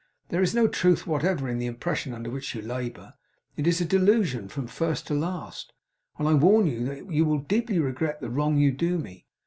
There is no truth whatever in the impression under which you labour. It is a delusion from first to last; and I warn you that you will deeply regret the wrong you do me.